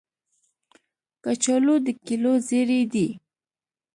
کچالو د کلیو زېری دی